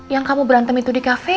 yang kamu berantem itu di cafe